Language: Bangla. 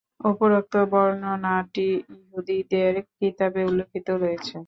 উপরোক্ত বর্ণনাটি ইহুদীদের কিতাবে উল্লেখিত রয়েছে।